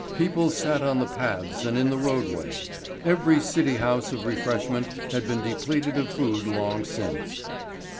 People sat on the paths and in the roadway. Every City house of refreshment had been depleted of food long since.